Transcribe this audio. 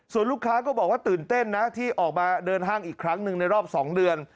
ส่วนลูกค้าก็บอกว่าตื่นเต้นนะที่ออกมาเดินห้างอีกครั้งหนึ่งในรอบ๒เดือน